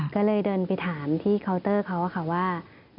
ก็เลยเดินไปถามที่เคาน์เตอร์เขาค่ะว่า